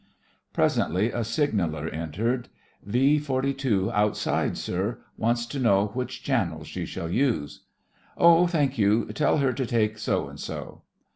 Presently a sig naller entered: "V. 42 outside, sir; wants to know which channel she shall use." "Oh, thank you. Tell her to take so and so."